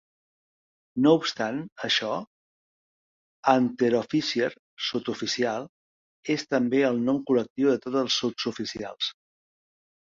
No obstant això "Unteroffizier" (sotsoficial) és també el nom col·lectiu de tots el sotsoficials.